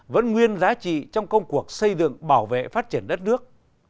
vẫn nguyên giá trị trong công cuộc xây dựng bảo vệ phát triển đất nước